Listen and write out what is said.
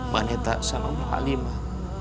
baneta sama bu halimah